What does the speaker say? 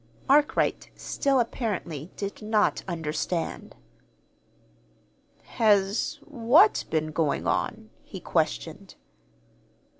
Arkwright still, apparently, did not understand. "Has what been going on?" he questioned.